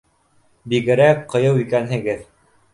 — Бигерәк ҡыйыу икәнһегеҙ.